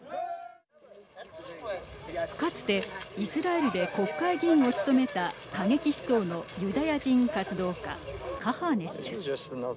かつてイスラエルで国会議員を務めた過激思想のユダヤ人活動家、カハネ師です。